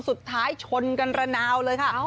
สุดท้ายชนกันระนาวเลยค่ะ